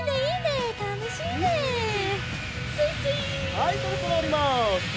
はいそろそろおります。